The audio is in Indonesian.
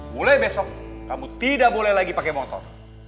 mulai besok kamu tidak boleh lagi pakai motor